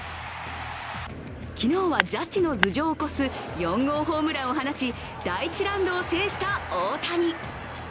昨日はジャッジの頭上を越す４号ホームランを放ち第１ラウンドを制した大谷。